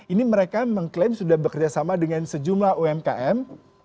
ini mereka mengklaim sudah bekerjasama dengan sejumlah umkm